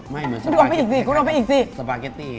ไม่เหมือนสปาเก็ตตี้สปาเก็ตตี้